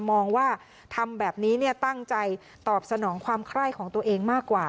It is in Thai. มองว่าทำแบบนี้ตั้งใจตอบสนองความไคร้ของตัวเองมากกว่า